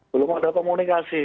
belum ada komunikasi